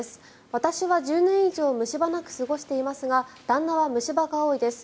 私は１０年以上虫歯なく過ごしていますが旦那は虫歯が多いです。